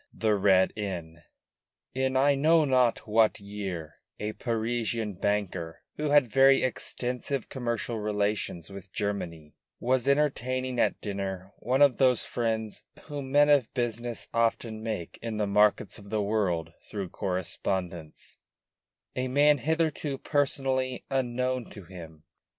THE RED INN In I know not what year a Parisian banker, who had very extensive commercial relations with Germany, was entertaining at dinner one of those friends whom men of business often make in the markets of the world through correspondence; a man hitherto personally unknown to him.